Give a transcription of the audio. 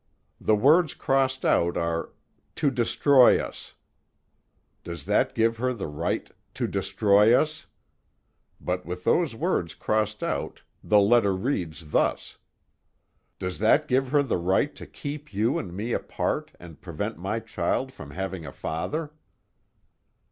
The words crossed out are "to destroy us" "Does that give her the right to destroy us" but with those words crossed out, the letter reads thus: "Does that give her the right to keep you and me apart and prevent my child from having a father?